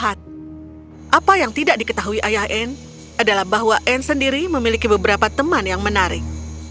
apa yang tidak diketahui ayah anne adalah bahwa anne sendiri memiliki beberapa teman yang menarik